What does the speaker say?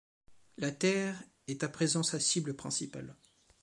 La Terre est à présent sa cible principale.